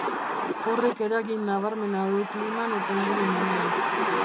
Horrek eragin nabarmena du kliman eta ingurumenean.